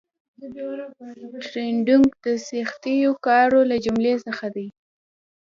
ټریډینګ د سخترینو کارو له جملې څخه دي